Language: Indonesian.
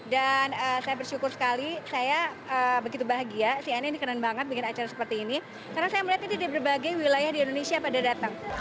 dan saya bersyukur sekali saya begitu bahagia si aine dikenal banget bikin acara seperti ini karena saya melihatnya di berbagai wilayah di indonesia pada datang